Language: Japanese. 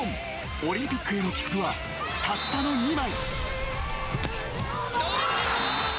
オリンピックへの切符はたったの２枚。